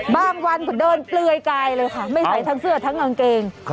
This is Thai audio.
บางวันก็เดินเปลือยกายเลยค่ะไม่ใส่ทั้งเสื้อทั้งกางเกง